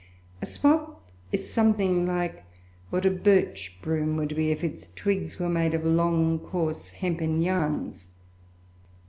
A swab is something like what a birch broom would be if its twigs were made of long, coarse, hempen yarns.